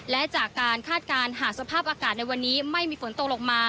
และจากการคาดการณ์หากสภาพอากาศในวันนี้ไม่มีฝนตกลงมา